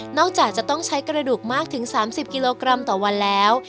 จากจะต้องใช้กระดูกมากถึง๓๐กิโลกรัมต่อวันแล้ว